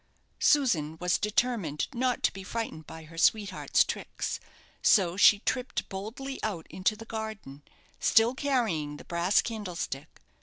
Susan was determined not to be frightened by her sweet heart's tricks, so she tripped boldly out into the garden, still carrying the brass candlestick.